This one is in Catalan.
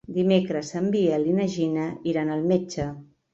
Dimecres en Biel i na Gina iran al metge.